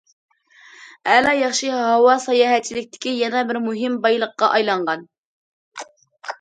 ئەلا- ياخشى ھاۋا ساياھەتچىلىكتىكى يەنە بىر مۇھىم بايلىققا ئايلانغان.